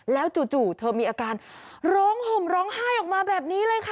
แล้วจู่เธอมีอาการร้องห่มร้องไห้ออกมาแบบนี้เลยค่ะ